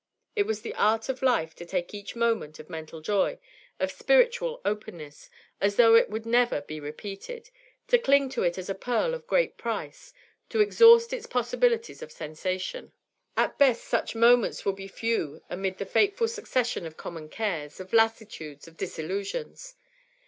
It is the art of life to take each moment of mental joy, of spiritual openness, as though it would never be repeated, to cling to it as a pearl of great price, to exhaust its possibilities of sensation. At the best, such moments will be few amid the fateful succession of common cares, of lassitudes, of disillusions.